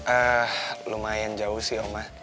eh lumayan jauh sih oma